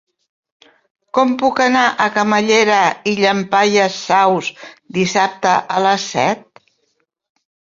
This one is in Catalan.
Com puc anar a Camallera i Llampaies Saus dissabte a les set?